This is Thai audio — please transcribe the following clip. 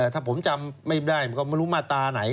ถ้าผมจำไม่ได้มันก็ไม่รู้มาตราไหน